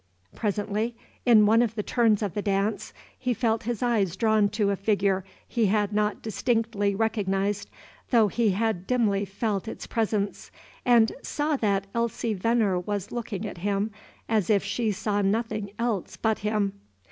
Presently, in one of the turns of the dance, he felt his eyes drawn to a figure he had not distinctly recognized, though he had dimly felt its presence, and saw that Elsie Venner was looking at him as if she saw nothing else but him.